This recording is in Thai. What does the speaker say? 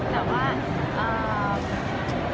มีโครงการทุกทีใช่ไหม